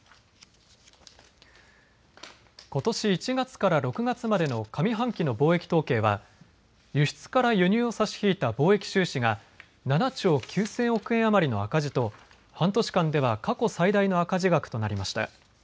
ことし１月から６月までの上半期の貿易統計は輸出から輸入を差し引いた貿易収支が７兆９０００億円余りの赤字と半年間では過去最大の赤字額となりました。